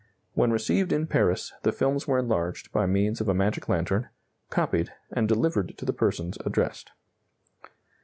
When received in Paris, the films were enlarged by means of a magic lantern, copied, and delivered to the persons addressed.